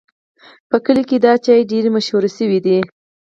په کلي کې دا چای ډېر مشهور شوی دی.